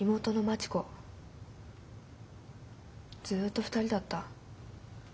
ずっと２人だった。